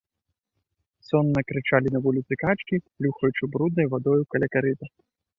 Сонна крычалі на вуліцы качкі, плюхаючы бруднай вадою каля карыта.